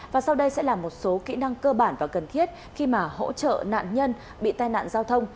và sau đây sẽ là một số kỹ năng cơ bản và cần thiết khi mà hỗ trợ nạn nhân bị tai nạn giao thông